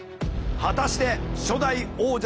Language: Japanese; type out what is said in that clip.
果たして初代王者は誰か？